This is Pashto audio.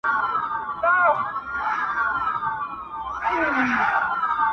چي پر تا به قضاوت کړي او شاباس درباندي اوري -